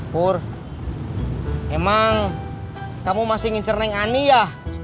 pur emang kamu masih ngincer neng ani ya